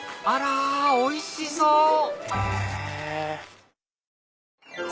あらおいしそう！